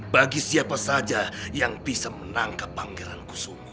bagi siapa saja yang bisa menangkap panggilan kusumo